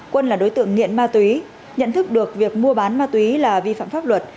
quân là đối tượng nghiện ma túy nhận thức được việc mua bán ma túy là vi phạm pháp luật